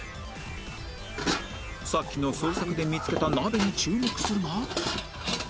さっきの捜索で見つけた鍋に注目するが